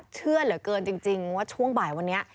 เชื่อเหลือเกินจริงว่าช่วงบ่ายวันนี้